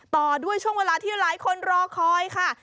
ต่อด้วยช่วงเวลาที่หลายคนรอคอยค่ะ